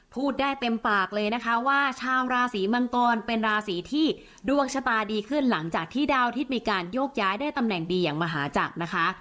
พูดได้เต็มปากเลยนะคะว่าชาวราศีมังกรเป็นราศีที่ดวงชะตาดีขึ้นหลังจากที่ดาวทิศมีการโยกย้ายได้ตำแหน่งดีอย่างมหาจักรนะคะ